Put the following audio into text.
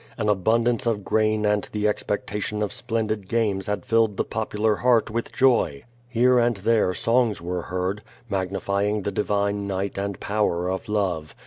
An abundance of grain and the expectation of splendid games had filled the popular heart with joy. Here and there songs were heard, magnifying the divine night and power of love.